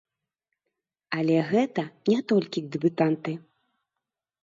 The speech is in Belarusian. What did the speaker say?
Але гэта не толькі дэбютанты.